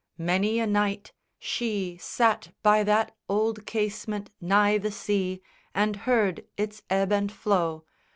Many a night She sat by that old casement nigh the sea And heard its ebb and flow.